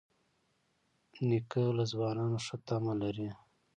نیکه له ځوانانو ښه تمه لري.